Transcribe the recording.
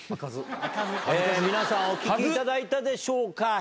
皆さんお聞きいただいたでしょうか。